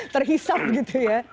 terhisap gitu ya